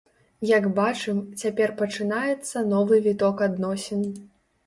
Як бачым, цяпер пачынаецца новы віток адносін.